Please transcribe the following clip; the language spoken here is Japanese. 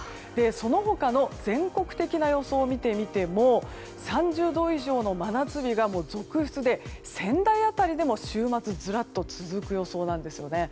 その他の全国的な予想を見てみても３０度以上の真夏日が続出で仙台辺りでも週末ずらっと続く予想なんですね。